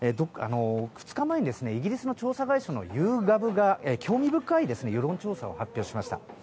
２日前にイギリスの調査会社ＹｏｕＧｏｖが興味深い世論調査を発表しました。